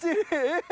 えっ！